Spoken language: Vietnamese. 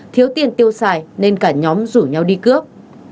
thiếu tiền tiêu xài nên cả nhóm rủ nhau đi cướp